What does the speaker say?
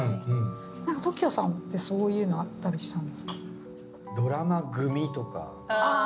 何かＴＯＫＩＯさんってそういうのあったりしたんですか？